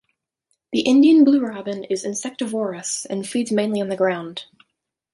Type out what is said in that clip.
The Indian blue robin is insectivorous and feeds mainly on the ground.